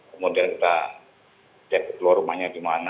kemudian kita cek keluar rumahnya gimana